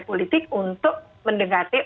politik untuk mendekati